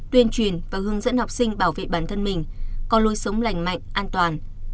tuyên truyền và hướng dẫn học sinh bảo vệ bản thân mình có lối sống lành mạnh an toàn